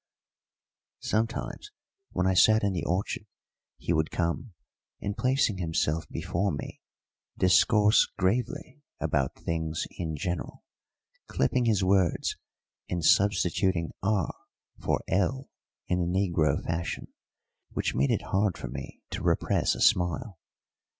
Sometimes, when I sat in the orchard, he would come, and, placing himself before me, discourse gravely about things in general, clipping his words and substituting r for l in the negro fashion, which made it hard for me to repress a smile.